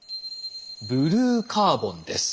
ブルーカーボンです。